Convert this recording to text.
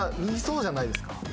見そうじゃないですか？